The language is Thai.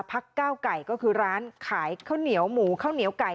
ก้าวไก่ก็คือร้านขายข้าวเหนียวหมูข้าวเหนียวไก่